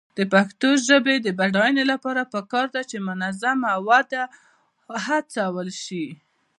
د پښتو ژبې د بډاینې لپاره پکار ده چې منظمه وده هڅول شي.